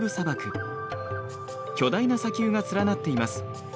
巨大な砂丘が連なっています。